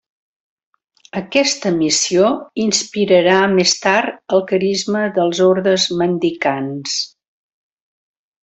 Aquesta missió inspirarà més tard el carisma dels ordes mendicants.